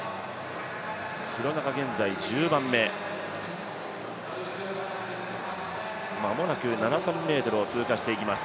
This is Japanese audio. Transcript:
廣中、現在１０番目、間もなく７０００ｍを通過していきます。